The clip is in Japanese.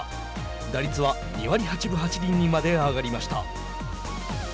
打率は２割８分８厘にまで上がりました。